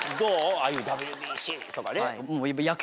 ああいうＷＢＣとか。